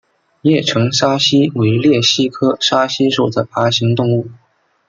叶城沙蜥为鬣蜥科沙蜥属的爬行动物。